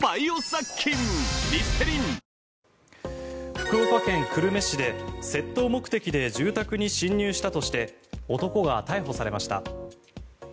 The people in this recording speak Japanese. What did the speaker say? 福岡県久留米市で窃盗目的で住宅に侵入したとして男が逮捕されました。